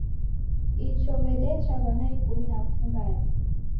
Icho w'edecha w'ana ikumi na mfungade.